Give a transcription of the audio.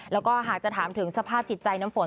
แล้วก็หากจะถามถึงสภาพจิตใจน้ำฝน